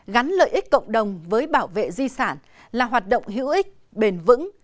gắn lợi ích cộng đồng với bảo vệ di sản là hoạt động hữu ích bền vững